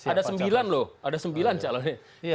ada sembilan loh ada sembilan calonnya